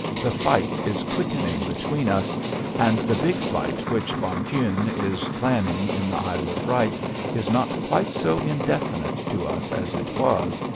The fight is quickening between us. And the big fight which von Kuhne is planning in the Isle of Wight is not quite so indefinite to us as it was.